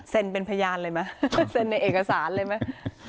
เซ็นเป็นพยานเลยมั้ยเซ็นในเอกสารเลยมั้ย